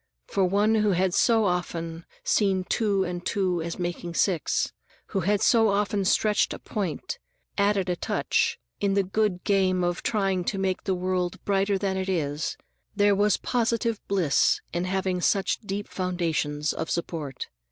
For one who had so often seen two and two as making six, who had so often stretched a point, added a touch, in the good game of trying to make the world brighter than it is, there was positive bliss in having such deep foundations of support.